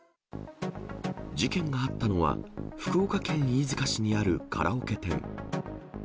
事件があったのは、福岡県飯塚市にあるカラオケ店。